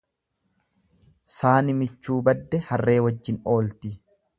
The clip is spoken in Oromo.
Saani michuu badde harree wajjin oolti.